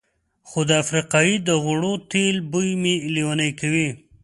خو د افریقایي د غوړو تېلو بوی مې لېونی کوي.